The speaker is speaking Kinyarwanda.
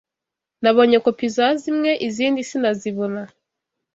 Nabonye kopi za zimwe, izindi sinazibona